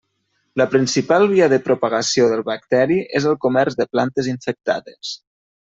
La principal via de propagació del bacteri és el comerç de plantes infectades.